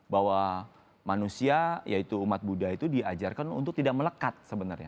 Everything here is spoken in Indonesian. bahwa manusia yaitu umat buddha itu diajarkan untuk tidak melekat sebenarnya